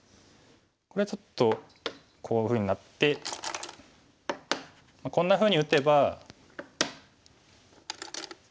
これちょっとこういうふうになってこんなふうに打てば。